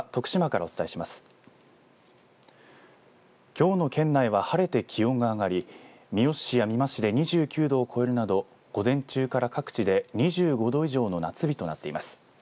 きょうの県内は晴れて気温が上がり三好市や美馬市で２９度を超えるなど午前中から各地で２５度以上の夏日となっています。